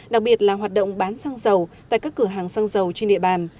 đặc biệt là hoạt động bán xăng dầu tại các cửa hàng xăng dầu trên địa bàn